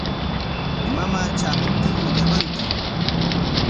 Mamaa tramuptin willamanki.